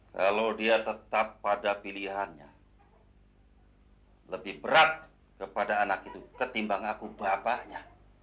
kalau dia tetap pada pilihannya lebih berat kepada anak itu ketimbang aku bapaknya